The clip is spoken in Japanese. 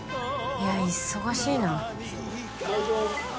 いや忙しいな。